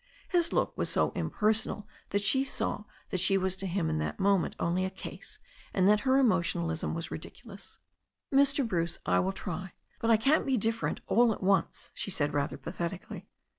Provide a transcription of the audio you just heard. His look was so impersonal that she saw that she was to him in that mo ment only a ''case," and that her emotionalism was ridicu lous. "Mr. Bruce, I will try, but I can't be different all at once," she said rather pathetically.